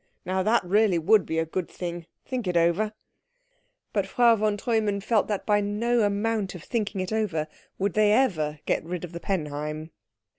Now that really would be a good thing. Think it over." But Frau von Treumann felt that by no amount of thinking it over would they ever get rid of the Penheim.